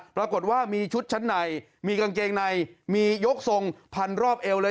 ปรากฏว่ามีชุดชั้นในมีกางเกงในมียกทรงพันรอบเอวเลย